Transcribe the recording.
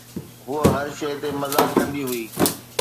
هوءَ هر شيءِ تي مذاق ڪندي هئي